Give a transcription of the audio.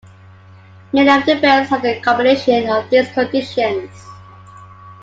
Many of the bears had a combination of these conditions.